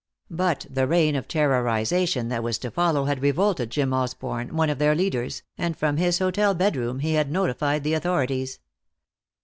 But the reign of terrorization that was to follow had revolted Jim Osborne, one of their leaders, and from his hotel bedroom he had notified the authorities.